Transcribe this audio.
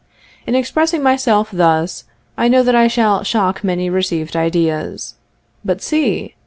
In expressing myself thus, I know that I shall shock many received ideas. But see!